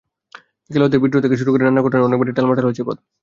খেলোয়াড় বিদ্রোহ থেকে শুরু করে নানা ঘটনায় অনেকবারই টালমাটাল হয়েছে পদ।